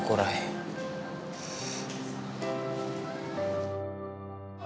aku mau berbicara sama kamu